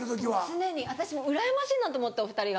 常に私うらやましいなと思ってお２人が。